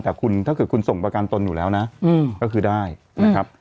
แต่คุณถ้าเกิดคุณส่งประกันตนอยู่แล้วนะก็คือได้นะครับ